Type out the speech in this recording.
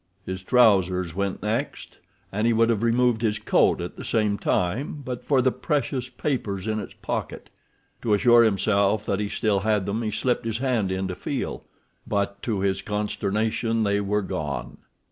His trousers went next, and he would have removed his coat at the same time but for the precious papers in its pocket. To assure himself that he still had them he slipped his hand in to feel, but to his consternation they were gone.